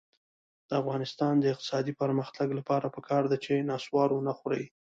د افغانستان د اقتصادي پرمختګ لپاره پکار ده چې نصوار ونه خورئ.